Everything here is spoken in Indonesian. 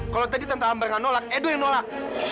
kalau tadi tante amber nggak nolak edo yang nolak